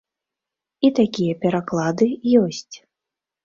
І такія пераклады ёсць.